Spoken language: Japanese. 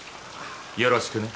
よろしくね。